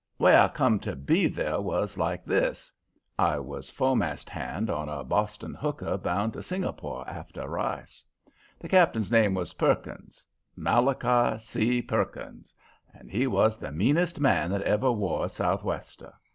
"Way I come to be there was like this: I was fo'mast hand on a Boston hooker bound to Singapore after rice. The skipper's name was Perkins, Malachi C. Perkins, and he was the meanest man that ever wore a sou' wester.